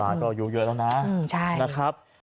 ตายก็อยู่เยอะแล้วนะนะครับ